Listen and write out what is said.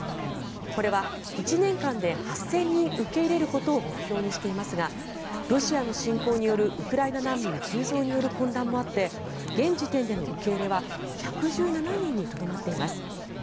これは１年間で８０００人受け入れることを目標にしていますがロシアの侵攻によるウクライナ難民急増による混乱もあって現時点での受け入れは１１７人にとどまっています。